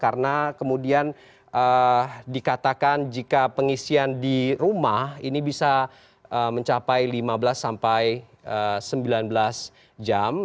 karena kemudian dikatakan jika pengisian di rumah ini bisa mencapai lima belas sampai sembilan belas jam